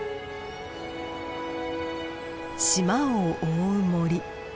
島を覆う森。